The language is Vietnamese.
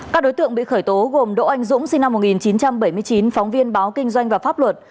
các đối tượng bị khởi tố gồm đỗ anh dũng sinh năm một nghìn chín trăm bảy mươi chín phóng viên báo kinh doanh và pháp luật